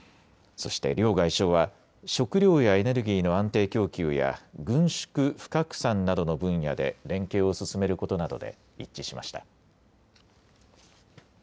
そして両外相は食料やエネルギーの安定供給や軍縮・不拡散などの分野で連携を進めることなどで一致しました。